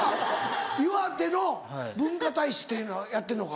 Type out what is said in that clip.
岩手の文化大使っていうのをやってんのか。